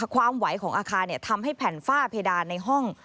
ความไหวของอาคารทำให้แผ่นฝ้าเพดานในห้อง